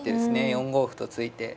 ４五歩と突いて。